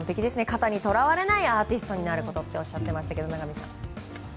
型にとらわれないアーティストになることとおっしゃっていましたが。